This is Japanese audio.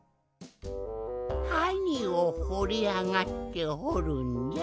はにをほりあがってほるんじゃ？